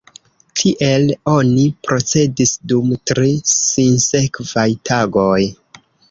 Tiel oni procedis dum tri sinsekvaj tagoj.